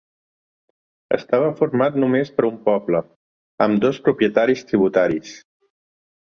Estava format només per un poble, amb dos propietaris tributaris.